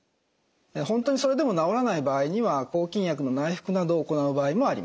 本当にそれでも治らない場合には抗菌薬の内服などを行う場合もあります。